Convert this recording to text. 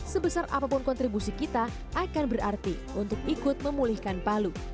sebesar apapun kontribusi kita akan berarti untuk ikut memulihkan palu